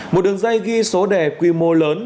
một đường dây ghi số đề quy mô lớn